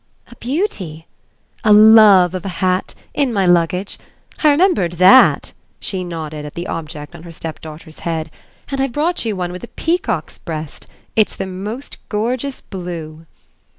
"A beauty?" "A love of a hat in my luggage. I remembered THAT" she nodded at the object on her stepdaughter's head "and I've brought you one with a peacock's breast. It's the most gorgeous blue!"